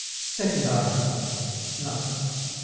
SECOND ARGUMENT.[Note.